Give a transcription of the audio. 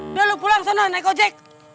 udah lu pulang sana naik ojek